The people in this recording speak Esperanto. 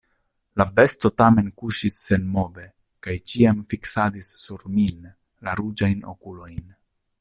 La besto tamen kuŝis senmove kaj ĉiam fiksadis sur min la ruĝajn okulojn.